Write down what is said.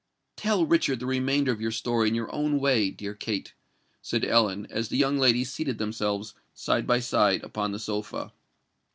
"Tell Richard the remainder of your story in your own way, dear Kate," said Ellen, as the young ladies seated themselves side by side upon the sofa.